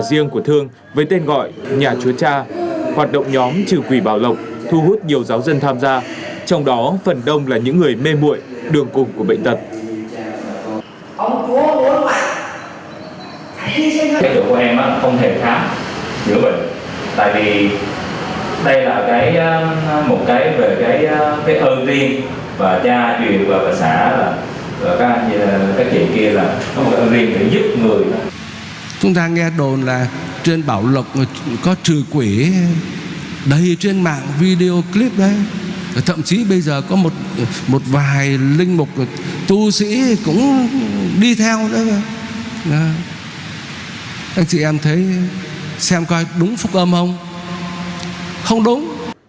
đi theo anh chị em xem coi đúng phúc âm không không đúng